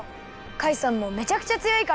カイさんもめちゃくちゃつよいから！